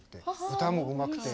歌もうまくて。